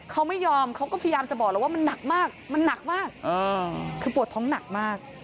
เขาไม่ยอมเขาก็พยายามจะบอกแล้วว่ามันหนักมากมันหนักมากคือปวดท้องหนักมาก